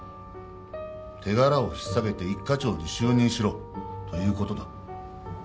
「手柄を引っ提げて一課長に就任しろ」ということだ。